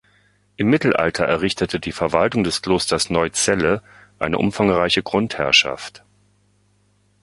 Im Mittelalter errichtete die Verwaltung des Klosters Neuzelle eine umfangreiche Grundherrschaft.